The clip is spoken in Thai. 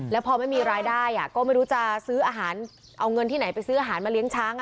แล้วพอไม่มีรายได้ก็ไม่รู้จะซื้ออาหารเอาเงินที่ไหนไปซื้ออาหารมาเลี้ยงช้าง